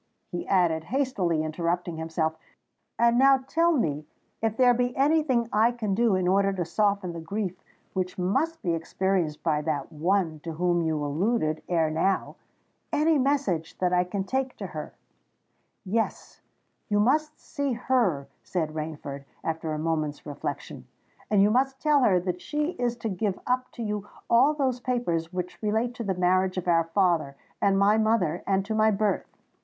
he added, hastily interrupting himself. "And now tell me if there be any thing I can do in order to soften the grief which must be experienced by that one to whom you alluded ere now—any message that I can take to her——" "Yes: you must see her," said Rainford, after a moment's reflection; "and you must tell her that she is to give up to you all those papers which relate to the marriage of our father and my mother and to my birth.